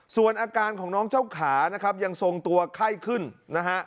ส่วนอาการของน้องเจ้าขานะครับยังทรงตัวไข้ขึ้นนะฮะ